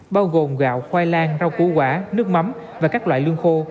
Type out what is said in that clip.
bao gồm gạo khoai lang rau củ quả nước mắm và các loại lương khô